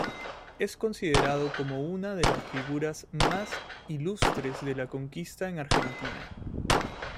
Es considerado como una de las figuras más ilustres de la conquista en Argentina.